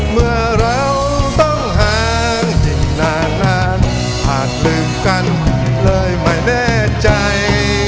เมื่อเราต้องหางอย่างนานผ่านลึกกันเลยไม่แน่ใจ